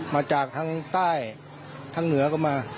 มาจากทั้งใต้ทั้งเหนือก็มา